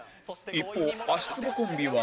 一方足つぼコンビは